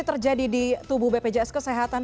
terjadi di tubuh bpjs kesehatan